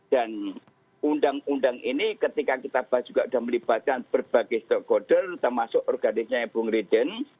dan undang undang ini ketika kita bahas juga sudah melibatkan berbagai stok koder termasuk organisasi bung riden